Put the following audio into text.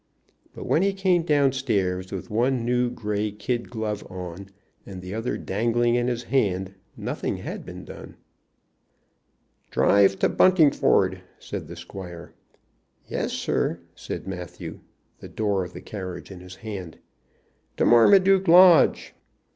But when he came down stairs with one new gray kid glove on, and the other dangling in his hand, nothing had been done. "Drive to Buntingford," said the squire. "Yes, sir," said Matthew, the door of the carriage in his hand. "To Marmaduke Lodge."